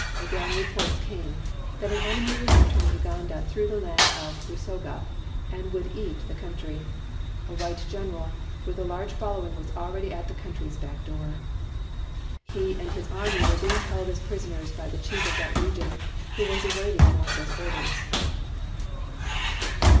Again re ports came that an enemy was entering Uganda through the land of Usoga and would "eat" the country. A white general with a large following was already at the 223 WHITE MAN OF WORK country's "back door." He and his army were being held as prisoners by the chief of that region who was awaiting Mwanga's orders.